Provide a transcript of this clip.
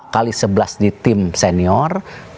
kali sebelas di tim senior